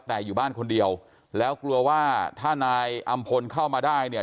แต่อยู่บ้านคนเดียวแล้วกลัวว่าถ้านายอำพลเข้ามาได้เนี่ย